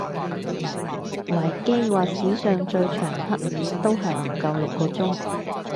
維基話史上最長黑雨都係唔夠六個鐘